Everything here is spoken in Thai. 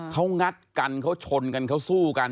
เขางัดกันเขาชนกันเขาสู้กัน